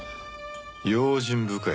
用心深い。